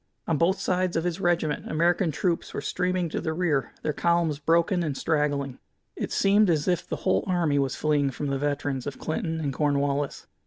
On both sides of his regiment American troops were streaming to the rear, their columns broken and straggling. It seemed as if the whole army was fleeing from the veterans of Clinton and Cornwallis.